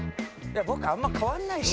「僕あんま変わんないし」